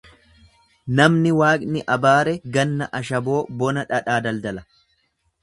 Namni Waaqni abaare ganna ashaboo bona dhadhaa daldala.